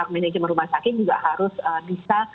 manajemen rumah sakit juga harus bisa